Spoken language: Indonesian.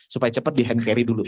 supaya cepat di hand carry dulu